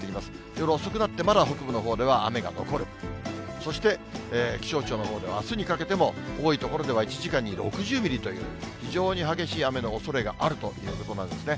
夜遅くなってまだ北部のほうでは雨が残る、そして、気象庁のほうではあすにかけても、多い所では１時間に６０ミリという非常に激しい雨のおそれがあるということなんですね。